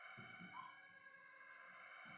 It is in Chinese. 后来侯升任为主治医师。